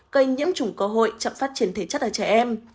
gây nhiễm chủng cơ hội chậm phát triển thể chất ở trẻ em